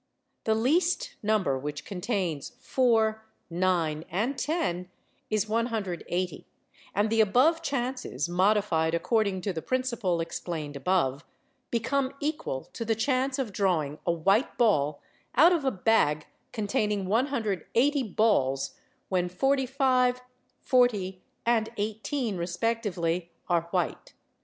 The least number which contains four, nine, and ten is 180; and the above chances, modified according to the principle explained above, become equal to the chance of drawing a white ball out of a bag containing 180 balls, when 45, 40, and 18 (respectively) are white.